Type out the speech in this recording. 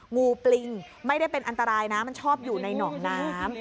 งูปลิงไม่ได้เป็นอันตรายนะมันชอบอยู่ในหนองน้ำ